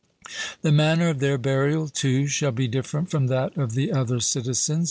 The manner of their burial, too, shall be different from that of the other citizens.